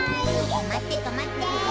とまってとまって！